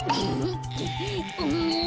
うん。